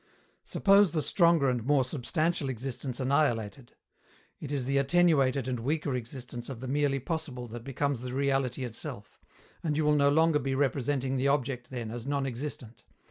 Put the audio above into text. Suppose the stronger and more substantial existence annihilated: it is the attenuated and weaker existence of the merely possible that becomes the reality itself, and you will no longer be representing the object, then, as non existent.